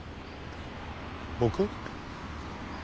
僕？